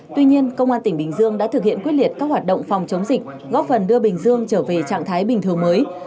tuy nhiên công an tỉnh bình dương đã thực hiện quyết liệt các hoạt động phòng chống dịch góp phần đưa bình dương trở về trạng thái bình thường mới